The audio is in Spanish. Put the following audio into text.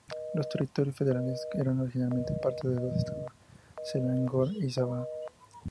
Los territorios federales eran originalmente parte de dos estados: Selangor y Sabah.